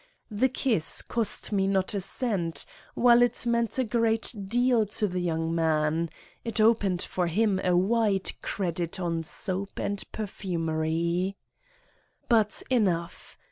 The kiss cost me not a cent, while it meanj; a great deal to the young man. It opened for him, a wide credit on soap and perfumery. 52 'Satan's Diary But enough!